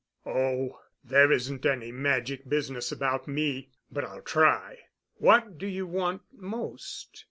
"Oh, there isn't any magic business about me. But I'll try. What do you want most?"